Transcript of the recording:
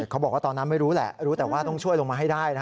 เขาบอกว่าตอนนั้นไม่รู้แหละรู้แต่ว่าต้องช่วยลงมาให้ได้นะ